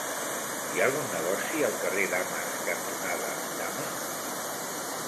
Hi ha algun negoci al carrer Dames cantonada Dames?